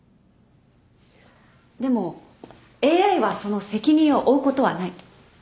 でもＡＩはその責任を負うことはない。